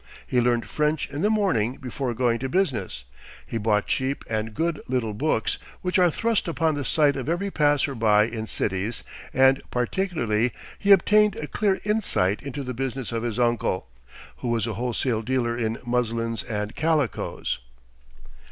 He learned French in the morning before going to business. He bought cheap and good little books which are thrust upon the sight of every passer by in cities, and, particularly, he obtained a clear insight into the business of his uncle, who was a wholesale dealer in muslins and calicoes.